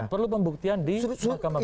perlu pembuktian di mahkamah agung